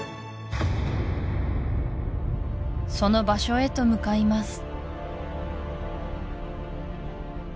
その場所へと向かいます